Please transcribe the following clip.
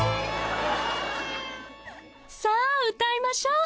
さあ歌いましょ。